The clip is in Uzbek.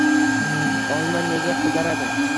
Olma nega qizaradi?